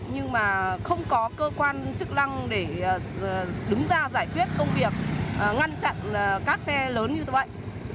nhưng mà không có cơ quan chức năng để đứng ra giải quyết công việc ngăn chặn các xe lớn như vậy